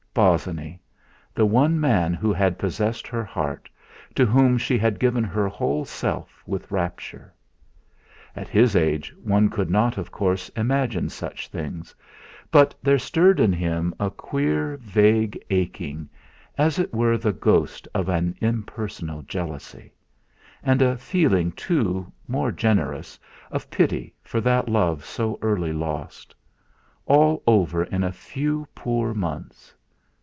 Bosinney the one man who had possessed her heart, to whom she had given her whole self with rapture! At his age one could not, of course, imagine such things, but there stirred in him a queer vague aching as it were the ghost of an impersonal jealousy; and a feeling, too, more generous, of pity for that love so early lost. All over in a few poor months!